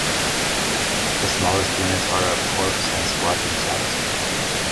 The smallest units are of corps and squadron size.